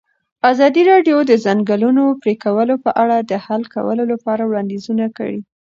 ازادي راډیو د د ځنګلونو پرېکول په اړه د حل کولو لپاره وړاندیزونه کړي.